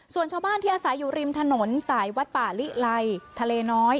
ส่วนชาวบ้านที่อาศัยอยู่ริมถนนสายวัดป่าลิไลทะเลน้อย